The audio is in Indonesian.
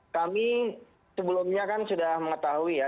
kami sebelumnya kan sudah mengetahui ya